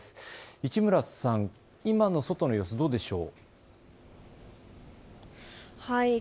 市村さん、今の外の様子どうでしょうか。